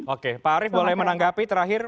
oke pak arief boleh menanggapi terakhir